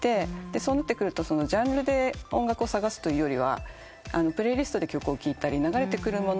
そうなってくるとジャンルで音楽を探すというよりはプレイリストで曲を聴いたり流れてくるもので出合ったり。